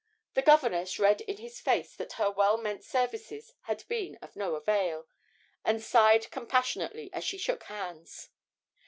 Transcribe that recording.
The governess read in his face that her well meant services had been of no avail, and sighed compassionately as she shook hands.